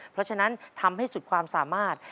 เพราะฉะนั้นทำให้สุดความสามารถ